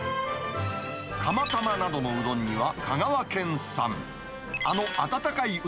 釜玉などのうどんには香川県産。